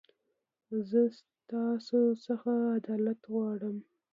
زه تاسو خڅه عدالت غواړم.